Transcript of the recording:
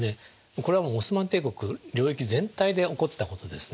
これはオスマン帝国領域全体で起こってたことですね。